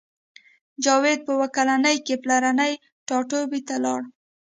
جاوید په اوه کلنۍ کې پلرني ټاټوبي ته لاړ